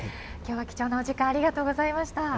今日は貴重なお時間ありがとうございました。